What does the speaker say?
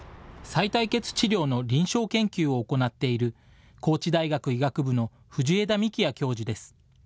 さい帯血治療の臨床研究を行っている、高知大学医学部の藤枝幹也教授です。